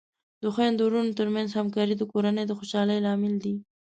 د خویندو ورونو ترمنځ همکاري د کورنۍ د خوشحالۍ لامل دی.